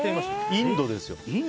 インドですよ。